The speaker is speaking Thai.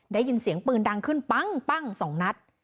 ได้ยินเสียงปืนดังขึ้นปั้งสองนัด